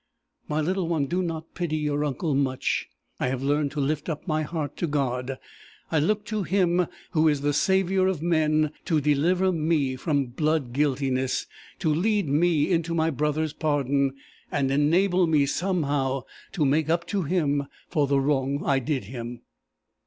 My little one, do not pity your uncle much; I have learned to lift up my heart to God. I look to him who is the saviour of men to deliver me from blood guiltiness to lead me into my brother's pardon, and enable me somehow to make up to him for the wrong I did him.